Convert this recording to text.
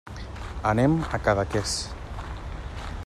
Anem a Cadaqués.